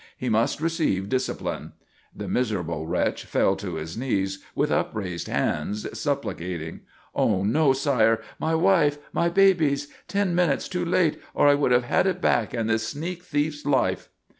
He must receive discipline." The miserable wretch fell to his knees with upraised hands, supplicating. "Ah, no, Sire! My wife! My babies! Ten minutes too late, or I would have had it back and this sneak thief's life!"